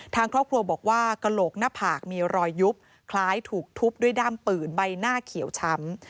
ทางครอบครัวบอกว่ากระโหลกหน้าผากมีรอยยุบคล้ายถูกทุบด้วยด้ามปืนใบหน้าเขียวช้ำ